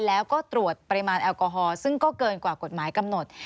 แล้วก็ตรวจปริมาณแอลกอฮอลซึ่งก็เกินกว่ากฎหมายกำหนด